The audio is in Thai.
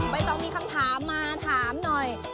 ต้องมีคำถามมาถามหน่อย